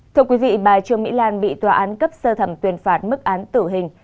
thưa quý vị bà trương mỹ lan bị tòa án cấp sơ thẩm tuyên phạt mức án tử hình